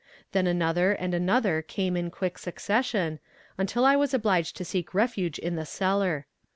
Then another and another came in quick succession until I was obliged to seek refuge in the cellar.